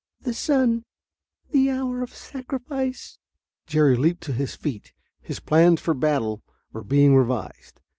"The sun ... the hour of sacrifice." Jerry leaped to his feet. His plans for battle were being revised.